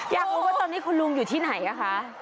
อยากรู้ว่าตอนนี้คุณลุงอยู่ที่ไหนคะ